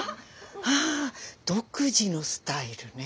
ああ独自のスタイルね。